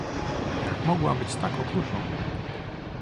"jak mogłam być tak okrutną!"